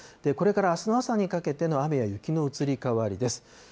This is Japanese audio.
これからあすの朝にかけての雨や雪の移り変わりです。